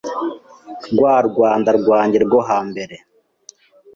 Rwa Rwanda rwanjye rwo hambere